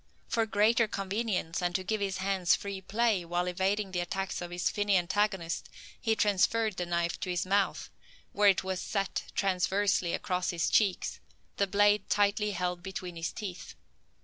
For greater convenience, and to give his hands free play, while evading the attacks of his finny antagonist, he transferred the knife to his mouth, where it was seen set transversely across his cheeks, the blade tightly held between his teeth.